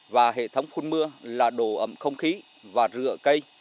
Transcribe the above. và hệ thống phun mưa là độ ẩm không khí và rửa cây